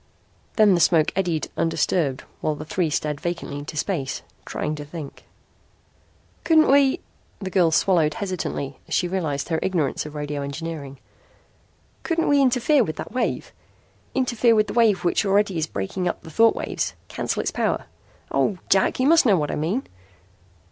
Then the smoke eddied undisturbed while the three stared vacantly into space, trying to think. "Couldn't we" the girl swallowed hesitantly as she realized her ignorance of radio engineering "couldn't we interfere with that wave? Interfere with the wave which already is breaking up the thought waves. Cancel its power. Oh, Jack, you must know what I mean."